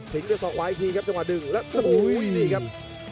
ด้วยศอกขวาอีกทีครับจังหวะดึงแล้วโอ้โหนี่ครับ